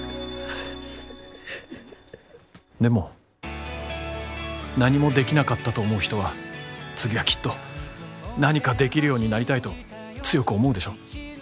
でも何もできなかったと思う人は次はきっと何かできるようになりたいと強く思うでしょ？